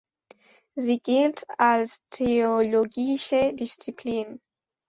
Sie gilt als theologische Disziplin.